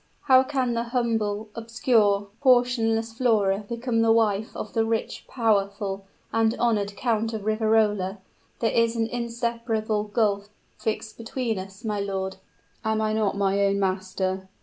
how can the humble, obscure, portionless Flora become the wife of the rich, powerful and honored Count of Riverola? There is an inseparable gulf fixed between us, my lord." "Am I not my own master?